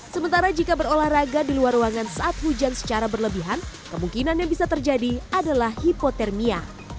sementara jika berolahraga di luar ruangan saat hujan secara berlebihan kemungkinan yang bisa terjadi adalah hipotermia